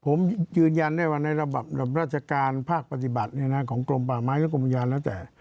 ผมยืนยันได้ว่าในระดับราชการภาคปฏิบัติของกรมป่าไม้หรือกรมอุทยานแล้วแต่